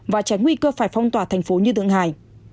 và tránh nguy cơ phải phong tỏa thành phố như tượng hải